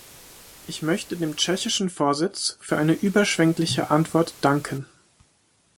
Ich möchte dem tschechischen Vorsitz für eine überschwängliche Antwort danken.